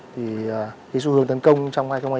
thì xu hướng tấn công trong hai nghìn hai mươi bốn